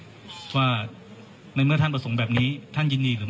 ทางคุณชัยธวัดก็บอกว่าการยื่นเรื่องแก้ไขมาตรวจสองเจน